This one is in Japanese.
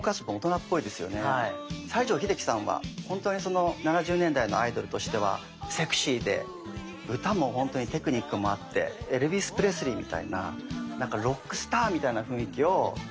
西城秀樹さんは本当に７０年代のアイドルとしてはセクシーで歌も本当にテクニックもあってエルヴィス・プレスリーみたいななんかロックスターみたいな雰囲気を出した人だと思います。